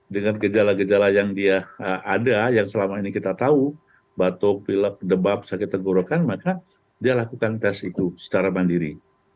jika dia bergejala yang dia ada yang selama ini kita tahu batuk pilak debab sakit tenggorokan maka dia lakukan tes itu secara mandiri